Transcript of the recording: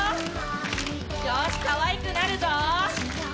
よしかわいくなるぞ！